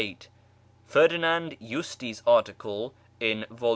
4 88); Ferdinand Justi's article in vol.